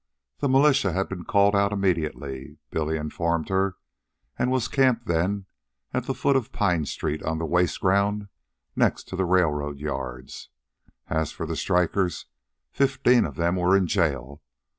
The militia had been called out immediately, Billy informed her, and was encamped then at the foot of Pine street on the waste ground next to the railroad yards. As for the strikers, fifteen of them were in jail.